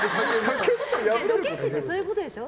ドケチってそういうことでしょ？